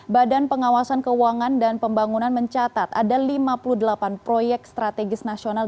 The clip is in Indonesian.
badan pengawasan keuangan dan pembangunan mencatat ada lima puluh delapan proyek strategis nasional